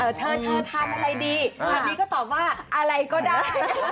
เธอทานอะไรดีอันนี้ก็ตอบว่าอะไรก็ได้